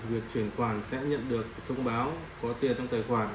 việc chuyển khoản sẽ nhận được thông báo có tiền trong tài khoản